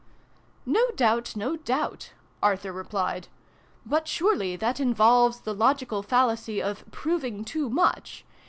" No doubt, no doubt," Arthur replied. " But surely that involves the logical fallacy of proving too much